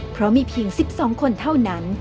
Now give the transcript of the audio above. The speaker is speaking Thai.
เพราะมีเพียง๑๒คนเท่านั้น